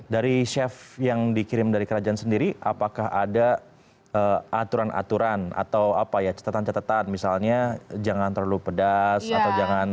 dari chef yang dikirim dari kerajaan sendiri apakah ada aturan aturan atau apa ya catatan catatan misalnya jangan terlalu pedas atau jangan